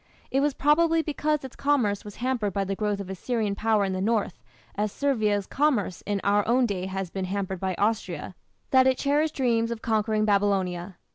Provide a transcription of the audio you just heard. It was probably because its commerce was hampered by the growth of Assyrian power in the north, as Servia's commerce in our own day has been hampered by Austria, that it cherished dreams of conquering Babylonia.